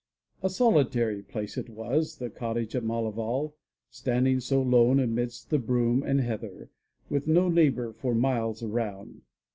A solitary place it was, the cottage at Malaval, standing so lone amidst the broom and heather, with no neighbor for miles around.